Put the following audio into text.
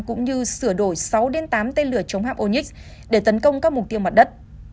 cũng như sửa đổi sáu tám tên lửa chống hạm onix để tấn công các mục tiêu mặt đất